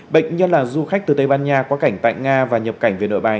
bệnh nhân là du khách từ tây ban nha quá cảnh tại nga và nhập cảnh về nội bài